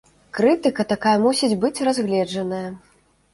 Крытыка такая мусіць быць разгледжаная.